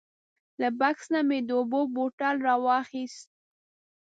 له بکس نه مې د اوبو بوتل راواخیست.